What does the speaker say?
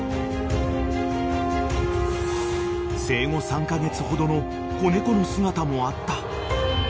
［生後３カ月ほどの子猫の姿もあった］